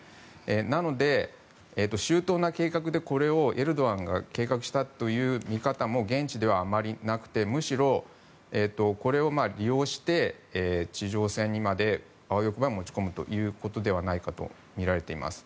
なので、周到な計画でこれをエルドアンが計画したという見方も現地ではあまりなくてむしろ、これを利用して地上戦にまであわよくば持ち込むということではないかとみられています。